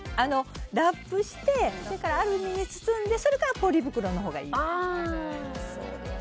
ラップして、アルミに包んでそれからポリ袋のほうがいい。